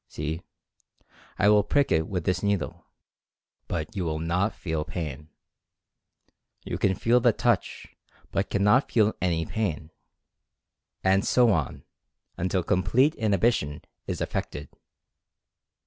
See, I will prick it with this needle, but you will not feel pain. You can feel the touch, but cannot feel any pain," and so on, until complete inhibition is effected.